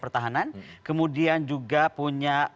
pertahanan kemudian juga punya